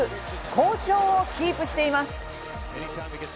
好調をキープしています。